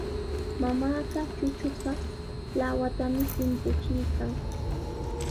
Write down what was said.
Mamaaqa chuchuqa lawatami timpuchiykan.